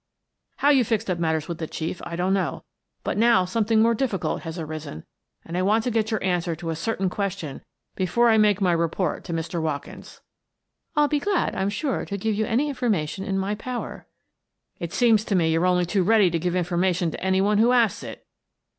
How you fixed up matters with the Chief, I don't know, but now something more difficult has arisen and I want to get your answer to a certain question before I make my report to Mr. Watkins." " I'll be glad, I'm sure, to give you any infor mation in my power." " It seems to me you're only too ready to give information to any one who asks it."